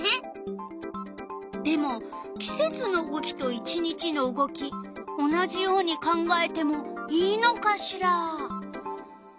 でもきせつの動きと一日の動き同じように考えてもいいのかしら？